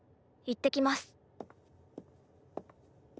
いってきます。